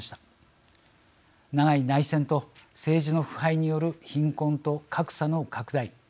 長い内戦と政治の腐敗による貧困と格差の拡大